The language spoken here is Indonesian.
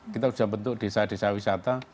kita sudah bentuk desa desa wisata